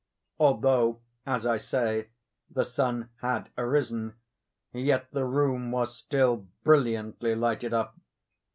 Although, as I say, the sun had arisen, yet the room was still brilliantly lighted up.